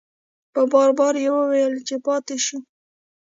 په بار بار یې وویل چې پاتې شو.